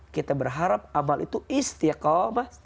kita berharap amal itu istiqomah